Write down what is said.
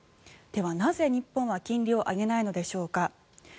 では、なぜ日本は金利を上げないのでしょうか。